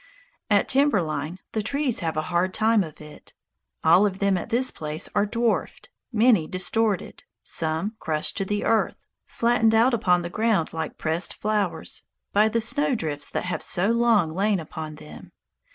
At timber line the trees have a hard time of it. All of them at this place are dwarfed, many distorted, some crushed to the earth, flattened out upon the ground like pressed flowers, by the snowdrifts that have so long lain upon them.